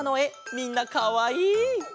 みんなかわいい！